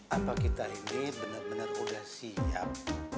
apa kita ini bener bener udah siap